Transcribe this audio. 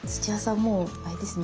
もうあれですね。